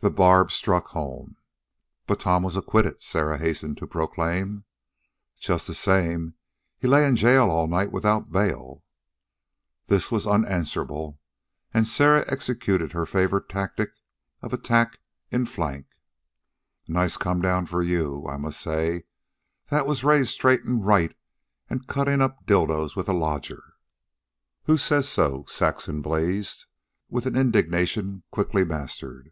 The barb had struck home. "But Tom was acquitted," Sarah hastened to proclaim. "Just the same he lay in jail all night without bail." This was unanswerable, and Sarah executed her favorite tactic of attack in flank. "A nice come down for you, I must say, that was raised straight an' right, a cuttin' up didoes with a lodger." "Who says so?" Saxon blazed with an indignation quickly mastered.